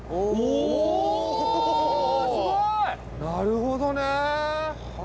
なるほどね！